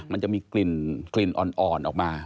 มันจะมีกลิ่นอ่อนออกมา